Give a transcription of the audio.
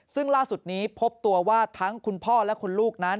ซึ่งล่าสุดนี้พบตัวว่าทั้งคุณพ่อและคุณลูกนั้น